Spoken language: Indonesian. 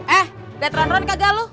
eh bet run run kagak lu